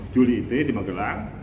tujuh juli itu ya di magelang